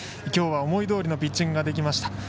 今日は思いどおりのピッチングができました。